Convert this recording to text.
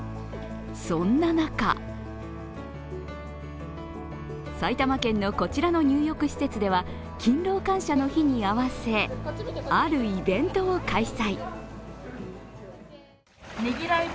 そんな中、埼玉県のこちらの入浴施設では勤労感謝の日に合わせ、あるイベントを開催。